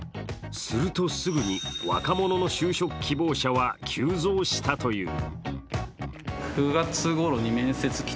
するとすぐに、若者の就職希望者は急増したという。